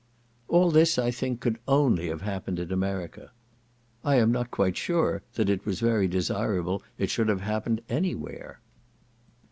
All this I think could only have happened in America. I am not quite sure that it was very desirable it should have happened any where.